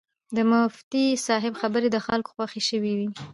د مفتي صاحب خبرې د خلکو خوښې شوې وې.